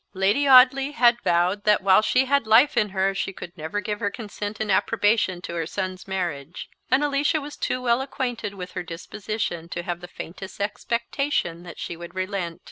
Lady Audley had vowed that while she had life she could never give her consent and approbation to her son's marriage; and Alicia was too well acquainted with her disposition to have the faintest expectation that she would relent.